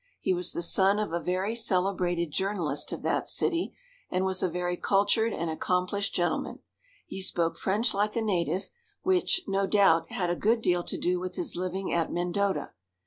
He was the son of a very celebrated journalist of that city, and was a very cultured and accomplished gentleman. He spoke French like a native, which, no doubt, had a good deal to do with his living at Mendota.